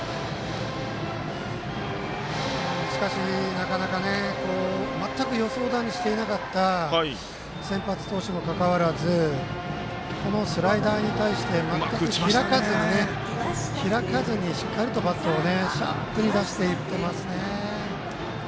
なかなか全く予想だにしていなかった先発投手にもかかわらずこのスライダーに対して全く開かずにしっかりとバットをシャープに出していってますね。